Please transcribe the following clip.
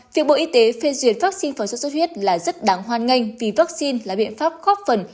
việc bộ y tế phê duyệt vaccine phòng xuất xuất huyết là rất đáng hoan nghênh vì vaccine là biện pháp góp phần